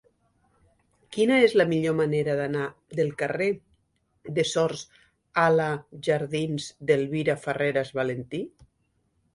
Quina és la millor manera d'anar del carrer de Sors a la jardins d'Elvira Farreras Valentí?